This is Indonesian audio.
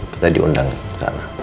kita diundang ke sana